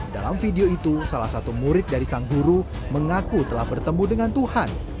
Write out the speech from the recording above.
dalam video itu salah satu murid dari sang guru mengaku telah bertemu dengan tuhan